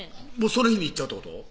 その日に行っちゃうってこと？